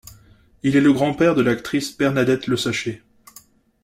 Il est le grand-père de l'actrice Bernadette Le Saché.